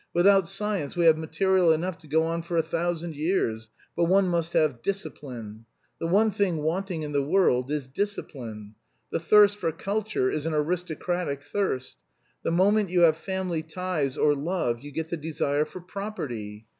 Without science we have material enough to go on for a thousand years, but one must have discipline. The one thing wanting in the world is discipline. The thirst for culture is an aristocratic thirst. The moment you have family ties or love you get the desire for property.